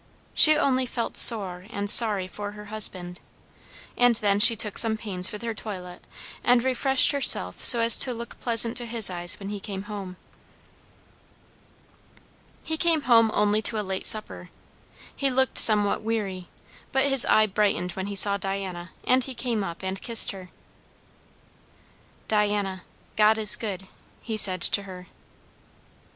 She only felt sore and sorry for her husband; and then she took some pains with her toilet, and refreshed herself so as to look pleasant to his eyes when he came home. He came home only to a late supper. He looked somewhat weary, but his eye brightened when he saw Diana, and he came up and kissed her. "Diana God is good," he said to her.